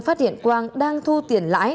phát hiện quang đang thu tiền lãi